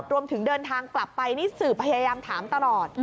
รวมถึงเดินทางกลับไปนี่สื่อพยายามถามตลอด